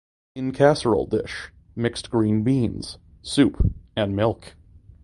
In casserole dish, mix green beans, soup and milk.